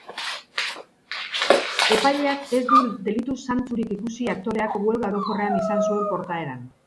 Epaileak ez du delitu zantzurik ikusi aktoreak huelga orokorrean izan zuen portaeran.